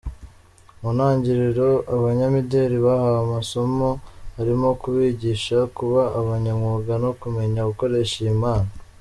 Mu ntangiriro abanyamideli bahawe amasomo arimo kubigisha kuba abanyamwuga no kumenya gukoresha iyi mpano.